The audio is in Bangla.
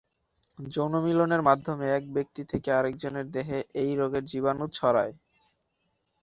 যৌনমিলনের মাধ্যমে এক ব্যক্তি থেকে আরেকজনের দেহে এই রোগের জীবাণু ছড়ায়।